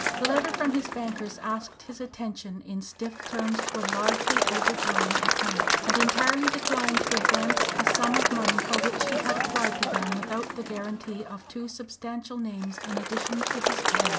The letter from his bankers asked his attention in stiff terms to a largely overdrawn account, and entirely declined to advance a sum of money for which he had applied to them without the guarantee of two substantial names in addition to his own.